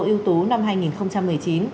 yêu tú năm hai nghìn một mươi chín